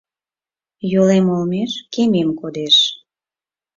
Йолем олмеш кемем кодеш.